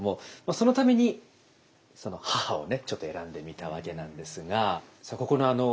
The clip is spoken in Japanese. そのために母をねちょっと選んでみたわけなんですが。